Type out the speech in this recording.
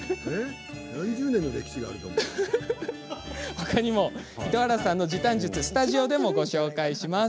ほかにも糸原さんの時短術スタジオでご紹介します。